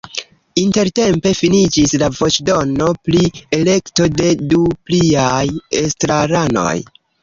Intertempe finiĝis la voĉdono pri elekto de du pliaj estraranoj.